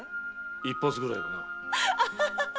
一発ぐらいはな。